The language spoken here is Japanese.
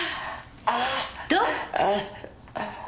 どう？